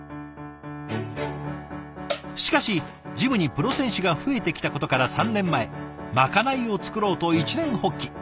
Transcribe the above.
しかしジムにプロ選手が増えてきたことから３年前まかないを作ろうと一念発起。